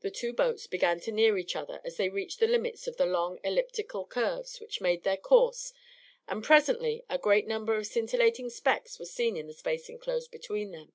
The two boats began to near each other as they reached the limits of the long elliptical curves which made their course; and presently a great number of scintillating specks were seen in the space enclosed between them.